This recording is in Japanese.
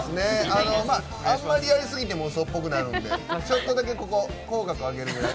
あんまり、やりすぎるとうそっぽくなるんでちょっとだけここ口角を上げるくらい。